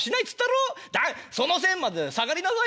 その線まで下がりなさいよ